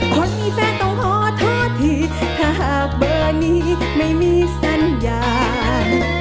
คนมีแฟนต้องขอโทษทีถ้าหากเบอร์นี้ไม่มีสัญญาณ